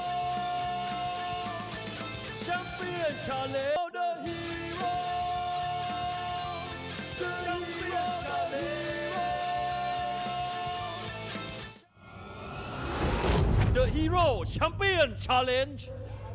โอ้โหไม่พลาดกับธนาคมโดโด้แดงเขาสร้างแบบนี้